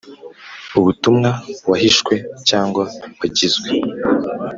Ubutumwa wahishwe cyangwa wagizwe